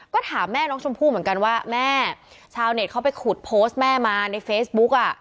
ก็ถามแม่น้องชมพู่เหมือนกันว่าแม่ชาวเน็ตเขาไปขุดโพสต์แม่มาในเฟซบุ๊กอ่ะ